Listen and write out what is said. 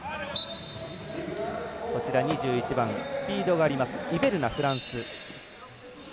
２１番、スピードがあるイベルナ、フランス。